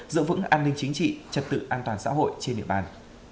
giữ vững an ninh chính trị trật tự an toàn xã hội trên địa bàn